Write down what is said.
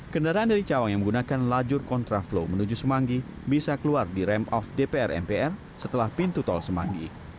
kendaraan dari cawang yang menggunakan lajur kontraflow menuju semanggi bisa keluar di rem off dpr mpr setelah pintu tol semanggi